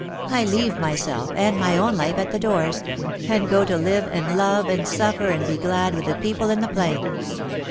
I leave myself, and my own life, at the doors — and go to live and love and suffer and be glad with the people in the play.